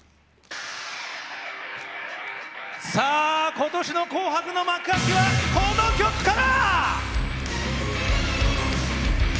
今年の紅白の幕開けはこの曲から！